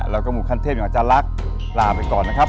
แล้วก็หมู่ขั้นเทพอย่างอาจารย์ลักษณ์ลาไปก่อนนะครับ